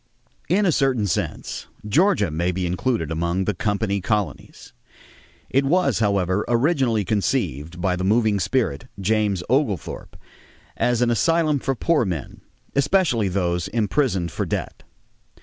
In a certain sense, Georgia may be included among the "company colonies." It was, however, originally conceived by the moving spirit, James Oglethorpe, as an asylum for poor men, especially those imprisoned for debt.